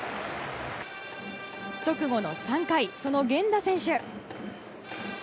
直後の３回その源田選手。